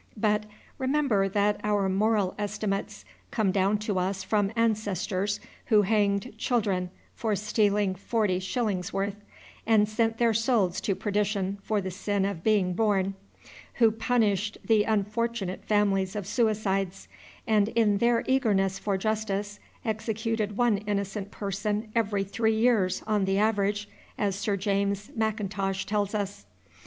But remember that our moral estimates come down to us from ancestors who hanged children for stealing forty shillings' worth, and sent their souls to perdition for the sin of being born, who punished the unfortunate families of suicides, and in their eagerness for justice executed one innocent person every three years, on the average, as Sir James Mackintosh tells us.